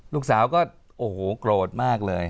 ลูกสาวก็โอ้โหโกรธมากเลย